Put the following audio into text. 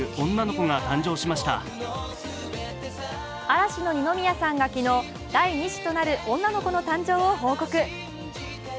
嵐の二宮さんが昨日、第２子となる女の子の誕生を報告。